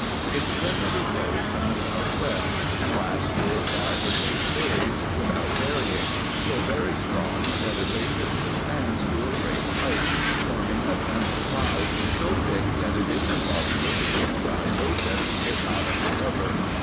It generally blows from the south west, and lasts four, five, or six days without varying, so very strong, that it raises the sands to a great height, forming a general cloud, so thick that it is impossible to keep the eyes open, if not under cover.